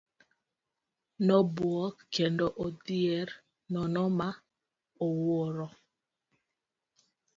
Nobuok kendo odhier nono ma owuoro.